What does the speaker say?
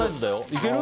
いける？